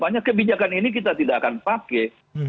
banyak kebijakan ini kita tidak akan pakai